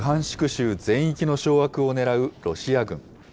州全域の掌握をねらうロシア軍。